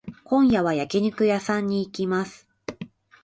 今夜は焼肉屋さんに行きます。